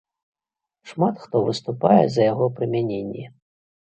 Шмат хто выступае за яго прымяненне.